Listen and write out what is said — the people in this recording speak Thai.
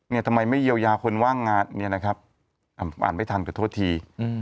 ทำไมไม่เยียวยาคนว่างงานเนี่ยนะครับอ่านไม่ทันขอโทษที